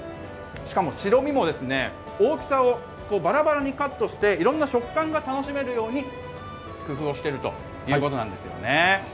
しかも白身も大きさをバラバラにカットしていろんな食感が楽しめるように工夫をしてるということなんです。